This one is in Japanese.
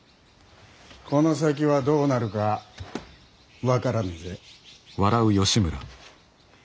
この先はどうなるか分からねえぜ。